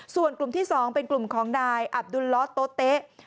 ส่วนกลุ่มที่๒เป็นกลุ่มของนายอับดุลล้อโต๊ะเต๊ะ